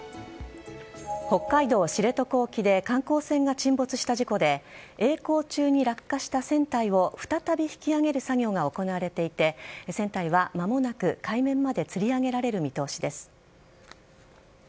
北海道知床沖で観光船が沈没した事故でえい航中に落下した船体を再び引き揚げる作業が行われていて船体は間もなく海面までつり上げられる見通しです。